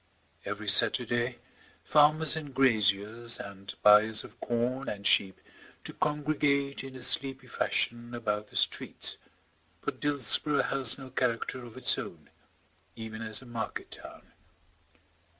Every Saturday farmers and graziers and buyers of corn and sheep do congregate in a sleepy fashion about the streets, but Dillsborough has no character of its own, even as a market town.